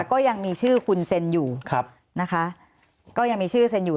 ก็ยังมีชื่อคุณเซ็นอยู่ครับนะคะก็ยังมีชื่อเซ็นอยู่